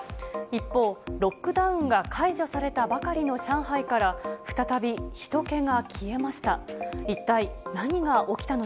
一方、ロックダウンが解除されたばかりの上海から、再びひと気が消えました。